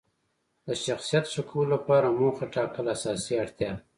د شخصیت ښه کولو لپاره موخه ټاکل اساسي اړتیا ده.